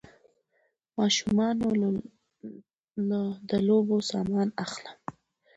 ماشومانو له د لوبو سامان اخلم